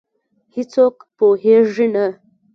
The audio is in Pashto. هیڅوک پوهېږې نه،